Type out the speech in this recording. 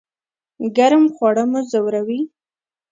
ګرم خواړه مو ځوروي؟